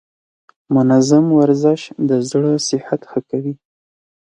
منظم ورزش د زړه صحت ښه کوي.